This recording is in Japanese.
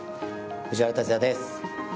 藤原竜也です